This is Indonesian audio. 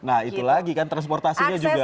nah itu lagi kan transportasinya juga